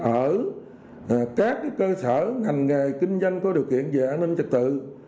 ở các cơ sở ngành nghề kinh doanh có điều kiện về an ninh trật tự